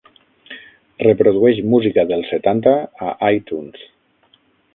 Reprodueix música dels setanta a Itunes